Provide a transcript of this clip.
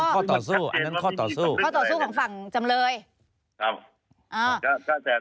อ๋อก็ต่อสู่อันนั้นความต่อสู้ของฝั่งจำเลยครับอ๋อ